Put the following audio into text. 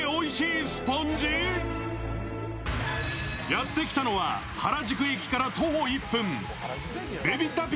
やってきたのは、原宿駅から徒歩１分。